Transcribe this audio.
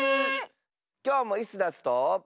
きょうもイスダスと。